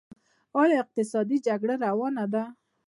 آیا اقتصادي جګړه روانه ده؟